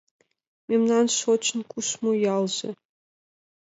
Мемнан шочын-кушмо ялже